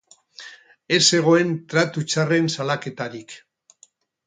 Ez zegoen tratu txarren salaketarik.